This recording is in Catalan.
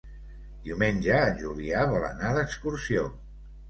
Diumenge en Julià vol anar d'excursió.